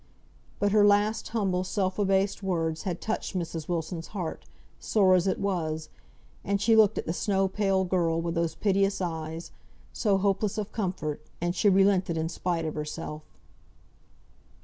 But her last humble, self abased words had touched Mrs. Wilson's heart, sore as it was; and she looked at the snow pale girl with those piteous eyes, so hopeless of comfort, and she relented in spite of herself.